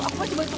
aku pasti bantu